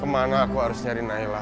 kemana aku harus nyari nay lah